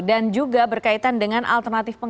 dan juga berkaitan dengan alternatif lain